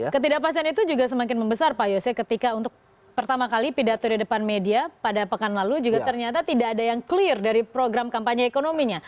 ketidakpastian itu juga semakin membesar pak yose ketika untuk pertama kali pidato di depan media pada pekan lalu juga ternyata tidak ada yang clear dari program kampanye ekonominya